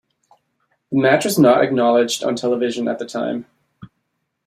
The match was not acknowledged on television at the time.